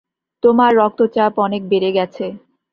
তোমার রক্তচাপ অনেক বেড়ে গেছে।